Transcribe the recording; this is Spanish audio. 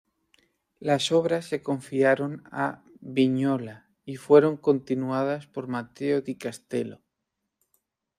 Las obras se confiaron a Vignola y fueron continuadas por Matteo di Castello.